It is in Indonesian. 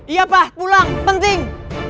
iya pak pulang penting